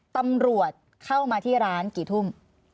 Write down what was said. ตำรวจเข้ามาที่ร้านกี่ทุ่ม